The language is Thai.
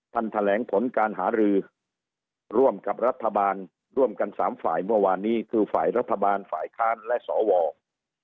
แถลงผลการหารือร่วมกับรัฐบาลร่วมกันสามฝ่ายเมื่อวานนี้คือฝ่ายรัฐบาลฝ่ายค้านและสว